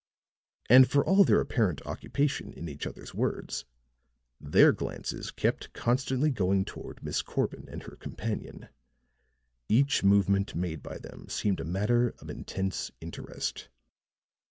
And, for all their apparent occupation in each other's words, their glances kept constantly going toward Miss Corbin and her companion; each movement made by them seemed a matter of intense interest.